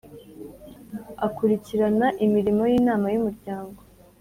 akurikirana imirimo y'inama y'umuryango